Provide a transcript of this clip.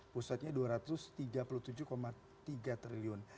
pusatnya dua ratus tiga puluh tujuh tiga triliun